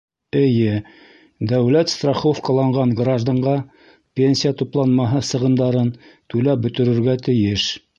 Эйе, дәүләт страховкаланған гражданға пенсия тупланмаһы сығымдарын түләп бөтөрөргә тейеш.